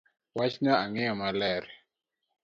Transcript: Wachno ang'eyo maler